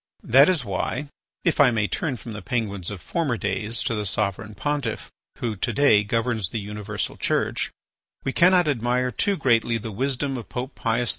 That is why (if I may turn from the Penguins of former days to the Sovereign Pontiff, who, to day governs the universal Church) we cannot admire too greatly the wisdom of Pope Pius X.